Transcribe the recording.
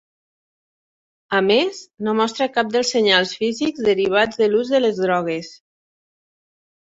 A més, no mostra cap dels senyals físics derivats de l'ús de les drogues.